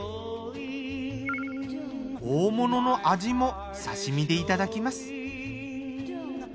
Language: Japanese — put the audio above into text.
大物のアジも刺身でいただきます。